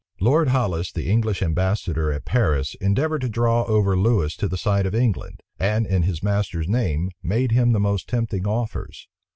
Lord Hollis, the English ambassador at Paris, endeavored to draw over Lewis to the side of England; and, in his master's name, made him the most tempting offers.